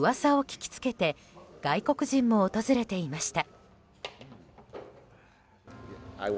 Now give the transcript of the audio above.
噂を聞きつけて外国人も訪れていました。